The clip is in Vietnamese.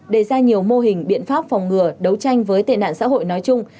đề ra nhiều mô hình biện pháp phòng ngừa đấu tranh với tệ nạn xã hội nói chung